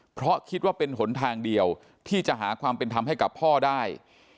เพราะคิดว่าเป็นหนทางเดียวที่จะหาความเป็นธรรมให้กับพ่อได้